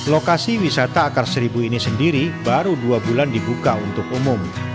lokasi wisata akar seribu ini sendiri baru dua bulan dibuka untuk umum